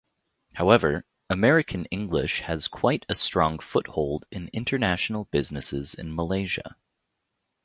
However, American English has quite a strong foothold in international businesses in Malaysia.